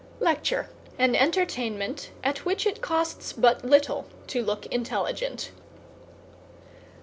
=LECTURE= An entertainment at which it costs but little to look intelligent.